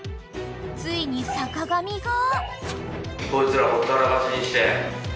［ついに坂上が］